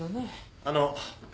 あの。